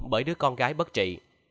bởi đứa con gái bất trị